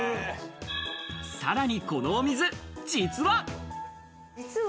さらにこのお水、実は。